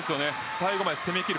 最後まで攻めきる。